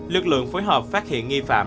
lực lượng phối hợp phát hiện nghi phạm